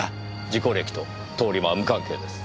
事故歴と通り魔は無関係です。